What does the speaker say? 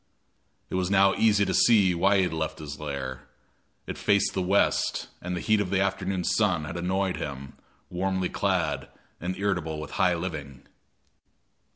It was now easy to see why he had left his lair; it faced the west, and the heat of the afternoon sun had annoyed him, warmly clad and irritable with high living.